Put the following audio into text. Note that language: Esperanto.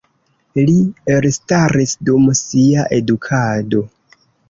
Li elstaris dum sia edukado.